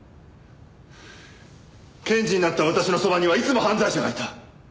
検事になった私のそばにはいつも犯罪者がいた。